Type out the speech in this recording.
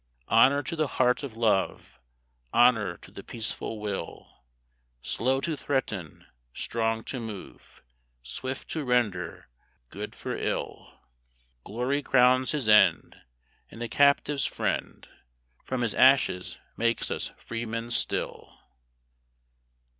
Honor to the heart of love, Honor to the peaceful will, Slow to threaten, strong to move, Swift to render good for ill! Glory crowns his end, And the captive's friend From his ashes makes us freemen still.